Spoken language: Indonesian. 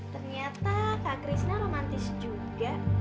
ternyata kak krisna romantis juga